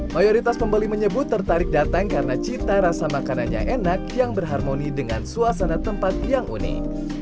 mayoritas pembeli menyebut tertarik datang karena cita rasa makanannya enak yang berharmoni dengan suasana tempat yang unik